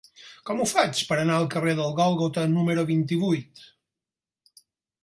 Com ho faig per anar al carrer del Gòlgota número vint-i-vuit?